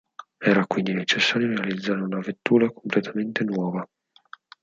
Era quindi necessario realizzare una vettura completamente nuova.